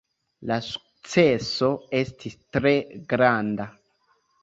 La sukceso estis tre granda.